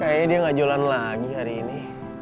kayanya dia gak jualan lagi hari ini